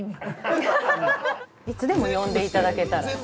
いつでも呼んでいただけたら。